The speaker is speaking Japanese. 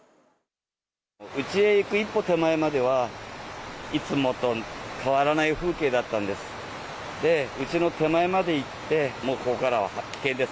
うちへ行く一歩手前までは、いつもと変わらない風景だったんです。